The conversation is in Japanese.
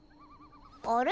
あれ？